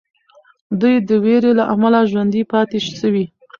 دوی د ویرې له امله ژوندي پاتې سوي.